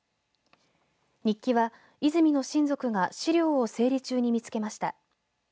日記は、泉の親族が資料を整理中に見つけました。